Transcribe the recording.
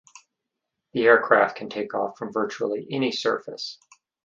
The aircraft can take off from virtually any surface.